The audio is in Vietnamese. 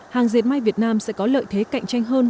hàng dệt may việt nam sẽ có lợi thế cạnh tranh hơn